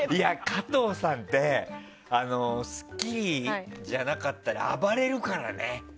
加藤さんって「スッキリ」じゃなかったら暴れるからね。